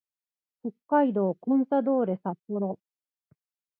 北海道コンサドーレ札幌